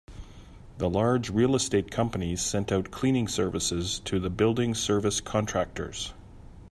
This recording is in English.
The large real estate companies sent out cleaning services to the building service contractors.